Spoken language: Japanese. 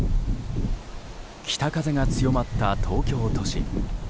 北風が強まった東京都心。